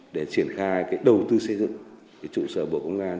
để triển khai đầu tư xây dựng trụ sở bộ công an